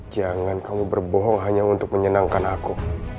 jangan kamu berbohong hanya untuk menyenangkan aku